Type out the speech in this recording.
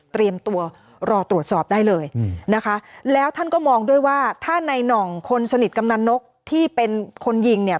ตัวรอตรวจสอบได้เลยนะคะแล้วท่านก็มองด้วยว่าถ้าในหน่องคนสนิทกำนันนกที่เป็นคนยิงเนี่ย